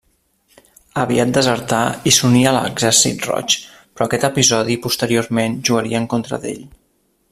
Aviat desertà i s'uní a l'Exèrcit Roig, però aquest episodi posteriorment jugaria en contra d'ell.